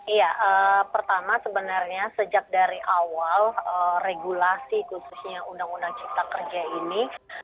iya pertama sebenarnya sejak dari awal regulasi khususnya undang undang cipta kerja ini